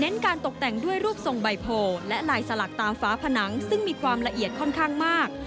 การตกแต่งด้วยรูปทรงใบโพและลายสลักตามฝาผนังซึ่งมีความละเอียดค่อนข้างมาก